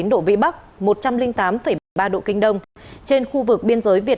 dự báo di chuyển